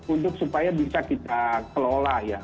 untuk supaya bisa kita kelola ya